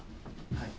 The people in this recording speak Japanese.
はい。